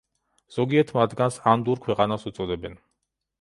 ზოგიერთ მათგანს ანდურ ქვეყანას უწოდებენ.